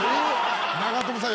長友さん